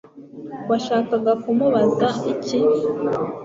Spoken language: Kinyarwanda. Washakaga kumubaza iki